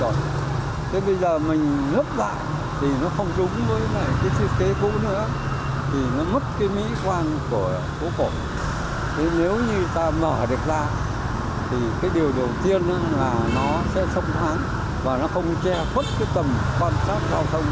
nếu như ta bỏ ra thì điều đầu tiên là nó sẽ thông thoáng và nó không chè khuất tầm quan sát các giáo thông